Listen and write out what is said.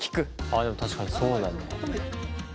ああでも確かにそうだね。